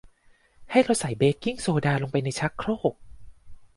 ให้เราใส่เบกกิ้งโซดาลงไปในชักโครก